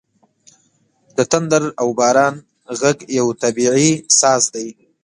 • د تندر او باران ږغ یو طبیعي ساز دی.